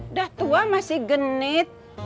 udah tua masih genit